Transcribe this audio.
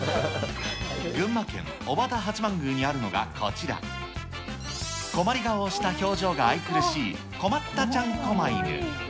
群馬県・小幡八幡宮にあるのがこちら、困り顔をした表情が愛くるしい、困ったちゃんこま犬。